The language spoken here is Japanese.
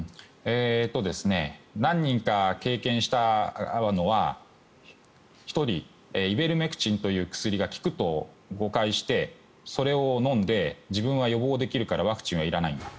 何人か経験したのは１人、イベルメクチンという薬が効くと誤解してそれを飲んで自分は予防できるからワクチンはいらないんだ